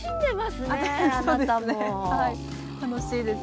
はい楽しいです。